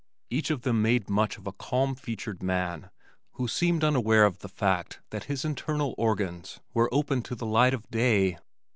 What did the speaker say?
Each of them made much of a calm featured man who seemed unaware of the fact that his internal organs were opened to the light of day.